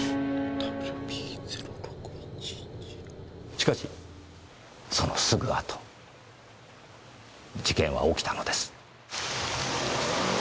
しかしそのすぐ後事件は起きたのです。